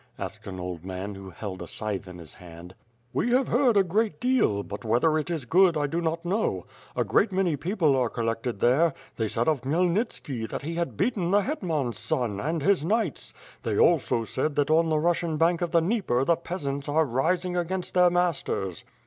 asked an old man, who held a scythe in his hand. "We have heard a great deal, but whether it is good I do not know. A great many people are collected there; they said of Khmyelnitski, that he had beaten the hetman's son, and his knights. They also said that on the Russian bank of the Dnieper the peasants are rising against their masters."